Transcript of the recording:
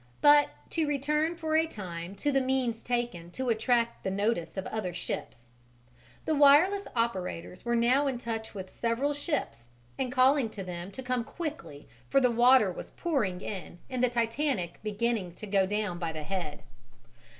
But to return for a time to the means taken to attract the notice of other ships. The wireless operators were now in touch with several ships, and calling to them to come quickly for the water was pouring in and the Titanic beginning to go down by the head.